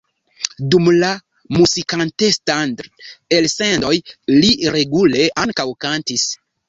Dum la "Musikantenstadl"-elsendoj li regule ankaŭ kantis.